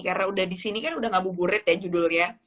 karena udah disini kan udah gabu burit ya judulnya